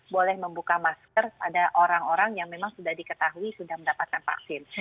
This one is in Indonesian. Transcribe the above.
boleh membuka masker pada orang orang yang memang sudah diketahui sudah mendapatkan vaksin